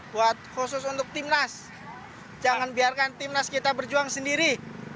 buat khusus untuk tim nas jangan biarkan tim nas kita berjuang sendiri